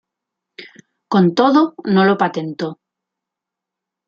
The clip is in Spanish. Con todo, no lo patentó.